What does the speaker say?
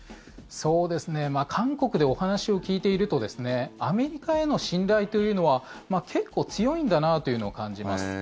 韓国でお話を聞いているとアメリカへの信頼というのは結構強いんだなというのを感じます。